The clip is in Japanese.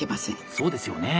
そうですよね！